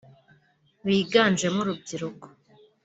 biganjemo urubyiruko